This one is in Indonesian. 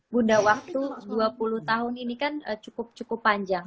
bunda waktu dua puluh tahun ini kan cukup cukup panjang